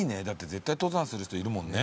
絶対登山する人いるもんね。